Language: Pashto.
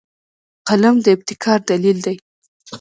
قلم د ابتکار دلیل دی